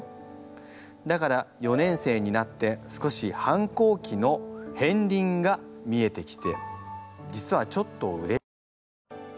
だから４年生になって少し反抗期のへんりんが見えてきて実はちょっとうれしいです。